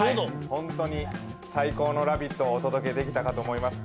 ホントに最高の「ラヴィット！」をお届けできたかと思います